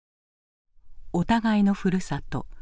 お互いのふるさと